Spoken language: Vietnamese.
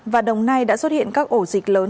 và đồng nai đã xuất hiện các ổ dịch lớn